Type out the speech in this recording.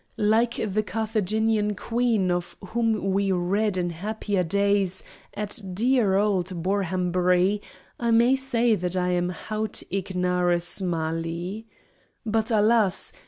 Like the Carthaginian Queen of whom we read in happier days at dear old Borhambury, I may say that I am haud ignarus mali. But, alas!